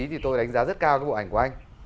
thì tôi đánh giá rất cao cái bộ ảnh của anh